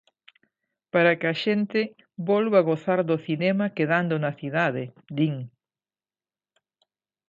Para que a xente "volva gozar do cinema quedando na cidade", din.